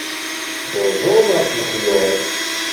D uḍuḍ af leḥyuḍ.